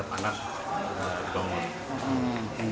setelah menangkap anak bangun